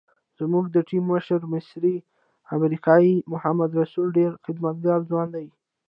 زموږ د ټیم مشر مصری امریکایي محمد رسول ډېر خدمتګار ځوان دی.